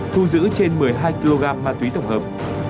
thu giữ trên một mươi hai kg ma túy tổng hợp